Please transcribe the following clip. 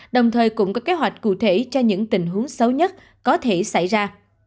đồng thời cũng có kế hoạch cụ thể cho những tình huống xấu nhất có thể xảy ra